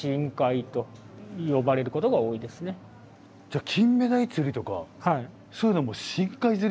じゃキンメダイ釣りとかそういうのも深海釣りですね。